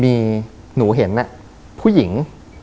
มีหนูเห็นผู้หญิง